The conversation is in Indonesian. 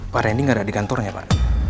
pak rendy gak ada di kantornya pak